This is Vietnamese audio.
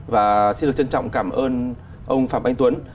và xin được trân trọng cảm ơn ông phạm anh tuấn